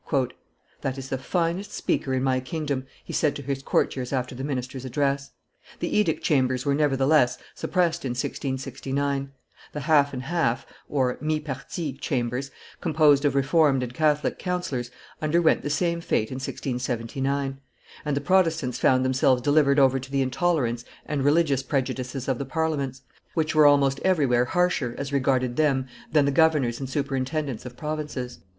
"That is the finest speaker in my kingdom," he said to his courtiers after the minister's address. The edict chambers were, nevertheless, suppressed in 1669; the half and half (mi partie) chambers, composed of Reformed and Catholic councillors, underwent the same fate in 1679, and the Protestants found themselves delivered over to the intolerance and religious prejudices of the Parliaments, which were almost everywhere harsher, as regarded them, than the governors and superintendents of provinces.